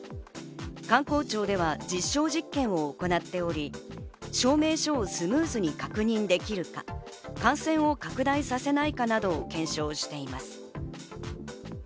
観光庁では実証実験を行っており、証明書をスムーズに確認できるか、感染を拡大させないかなどを検証しています。